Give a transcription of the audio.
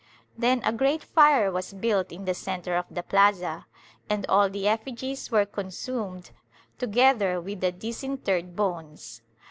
Then a great fire was built in the centre of the plaza, and all the effigies were consumed, together with the disinterred bones.